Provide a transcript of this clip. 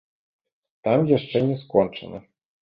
Там яшчэ не скончана.